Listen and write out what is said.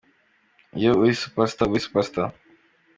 iyo uri super star uba uri super star.